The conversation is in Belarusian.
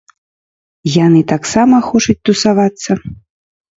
Яны таксама хочуць тусавацца!